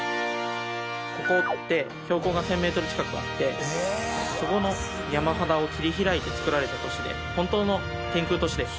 ここって標高が１０００メートル近くあってそこの山肌を切り開いてつくられた都市で本当の天空都市です。